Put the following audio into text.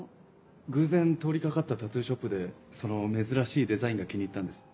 偶然通り掛かったタトゥーショップでその珍しいデザインが気に入ったんです。